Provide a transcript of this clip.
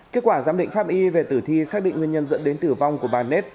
kết quả giám định pháp y về tử thi xác định nguyên nhân dẫn đến tử vong của bà nết